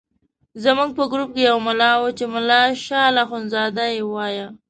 زموږ په ګروپ کې یو ملا وو چې ملا شال اخندزاده یې وایه.